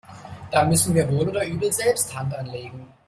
Da müssen wir wohl oder übel selbst Hand anlegen.